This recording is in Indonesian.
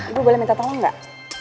ibu boleh minta tolong nggak